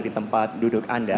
di tempat duduk anda